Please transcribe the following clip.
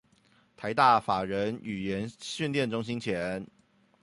臺大法人語言訓練中心前